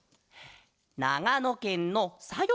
ながのけんのさよ